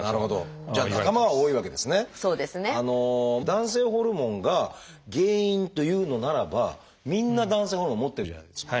男性ホルモンが原因というのならばみんな男性ホルモン持ってるじゃないですか。